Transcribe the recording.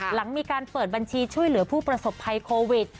หลังมีการเปิดบัญชีช่วยเหลือผู้ประสบภัยโควิด